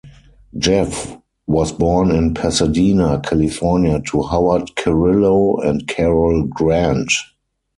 Jeff was born in Pasadena, California to Howard Cirillo and Carol Grant.